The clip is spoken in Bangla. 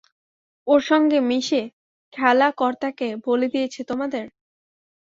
ওর সঙ্গে মিশে খেলা কর্তাকে বলে দিয়েছে তোমাদের?